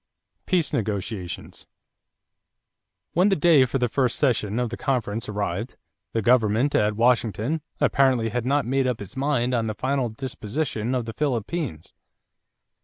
=Peace Negotiations.= When the day for the first session of the conference arrived, the government at Washington apparently had not made up its mind on the final disposition of the Philippines.